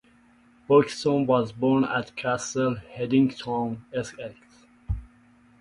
Buxton was born at Castle Hedingham, Essex.